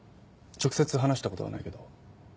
直接話したことはないけど。